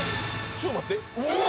⁉ちょっと待ってうわ！